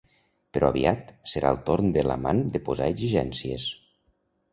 Però aviat, serà el torn de l'amant de posar exigències…